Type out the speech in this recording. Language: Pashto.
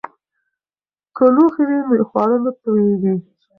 که لوښي وي نو خواړه نه توییږي.